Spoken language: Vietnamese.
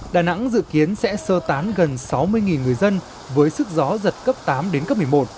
đà nẵng dự kiến sẽ sơ tán gần sáu mươi người dân với sức gió giật cấp tám đến cấp một mươi một